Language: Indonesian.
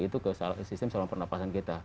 itu ke sistem saluran pernafasan kita